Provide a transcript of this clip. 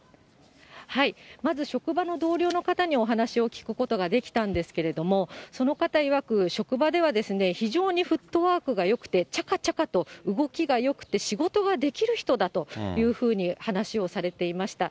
まず職場の同僚の方にお話を聞くことができたんですけれども、その方いわく、職場では非常にフットワークがよくて、ちゃかちゃかと動きがよくて、仕事ができる人だというふうに話をされていました。